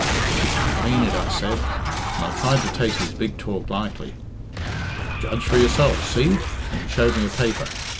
'You can't mean it,' I said, and I tried to take his big talk lightly. 'Judge for yourself see,' and he showed me a paper.